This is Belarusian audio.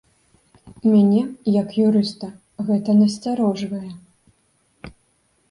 Мяне, як юрыста, гэта насцярожвае.